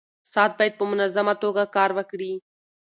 ساعت باید په منظمه توګه کار وکړي.